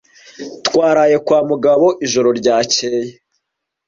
twaraye kwa Mugabo ijoro ryakeye